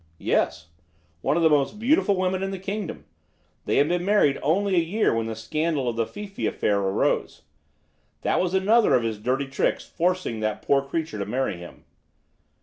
"Yes; one of the most beautiful women in the kingdom. They had been married only a year when the scandal of the Fifi affair arose. That was another of his dirty tricks forcing that poor creature to marry him."